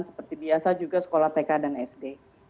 seperti biasa juga sekolah tk dan sd